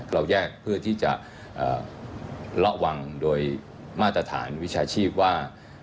เราแยกเพื่อที่จะระวังโดยมาตรฐานวิชาชีพว่า